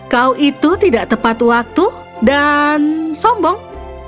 kau itu tidak tepat waktu dan sombong